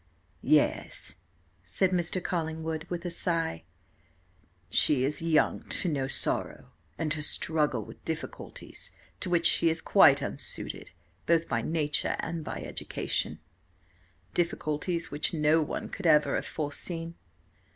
"Yes," said Mr. Collingwood, with a sigh, "she is young to know sorrow, and to struggle with difficulties to which she is quite unsuited both by nature and by education, difficulties which no one could ever have foreseen.